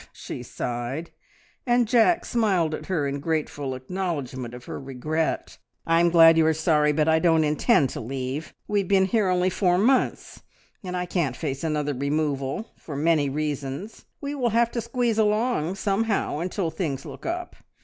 she sighed, and Jack smiled at her in grateful acknowledgment of her regret. "I'm glad you are sorry, but I don't intend to leave. We have been here only four months, and I can't face another removal for many reasons! We will have to squeeze along somehow until things look up.